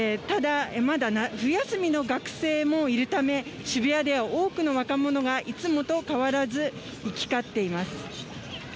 ただ、まだ冬休みの学生もいるため、渋谷では多くの若者がいつもと変わらず行き交っています。